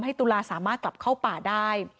ตุลาสามารถกลับเข้าป่าได้